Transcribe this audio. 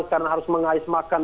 karena harus mengais makan